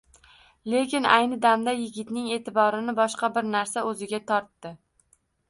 Lekin ayni damda yigitning e`tiborini boshqa bir narsa o`ziga tortdi